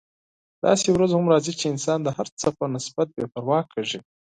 داسې ورځ هم راځي چې انسان د هر څه په نسبت بې پروا کیږي.